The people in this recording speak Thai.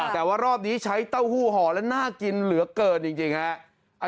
แต่ว่ารอบนี้ใช้เต้าหู้ห่อแล้วน่ากินเหลือเกินจริงฮะ